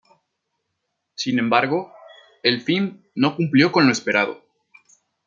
Sin embargo, el film no cumplió con lo esperado.